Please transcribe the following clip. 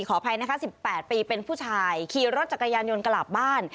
อภัยนะคะ๑๘ปีเป็นผู้ชายขี่รถจักรยานยนต์กลับบ้าน